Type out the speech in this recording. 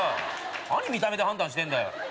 何見た目で判断してんだよ！